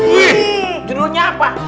wih judulnya apa